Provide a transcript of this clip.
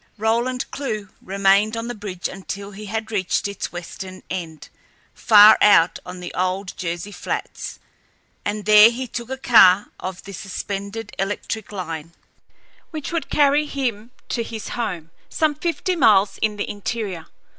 Roland Clewe remained on the bridge until he had reached its western end, far out on the old Jersey flats, and there he took a car of the suspended electric line, which would carry him to his home, some fifty miles in the interior.